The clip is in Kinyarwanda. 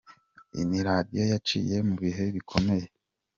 Ni radio yaciye mu bihe bikomeye….